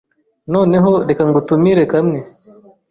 Noneho reka ngutumire kamwe”